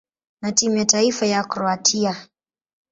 na timu ya taifa ya Kroatia.